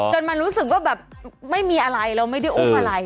จนมารู้สึกว่าแบบไม่มีอะไรเราไม่ได้อุ้มอะไร